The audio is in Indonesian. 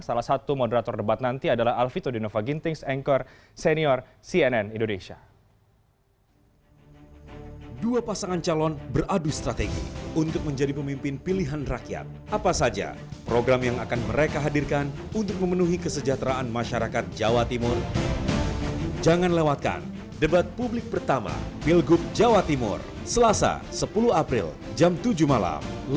salah satu moderator debat nanti adalah alvi todinova gintings anchor senior cnn indonesia